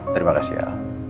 terima kasih ya